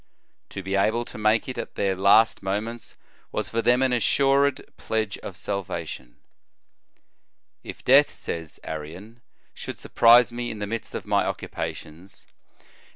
To be able to make it at their last moments was for them an assured pledge of salvation. "If death," says Arrian, "should surprise me in the midst of my occupations, it will be * Antiquit